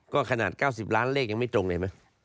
ก็ขนาด๙๐ล้านเลขยังไม่ตรงเห็นมั้ย